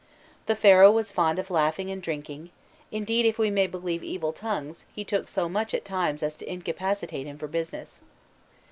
The Pharaoh was fond of laughing and drinking; indeed, if we may believe evil tongues, he took so much at times as to incapacitate him for business.